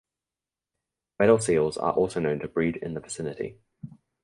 Weddell seals are also known to breed in the vicinity.